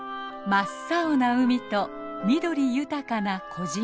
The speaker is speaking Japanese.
真っ青な海と緑豊かな小島。